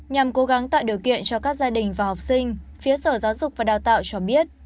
nhằm cố gắng tạo điều kiện cho các gia đình và học sinh phía sở giáo dục và đào tạo cho biết